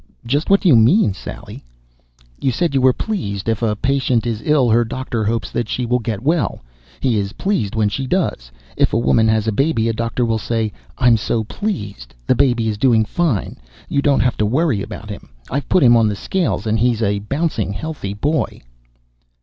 "Just what do you mean, Sally?" "You said you were pleased. If a patient is ill her doctor hopes that she will get well. He is pleased when she does. If a woman has a baby a doctor will say, 'I'm so pleased. The baby is doing fine. You don't have to worry about him. I've put him on the scales and he's a bouncing, healthy boy.'"